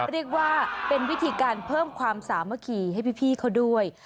เรียกว่าเป็นวิธีการเพิ่มความสามัคคีให้พี่เขาด้วย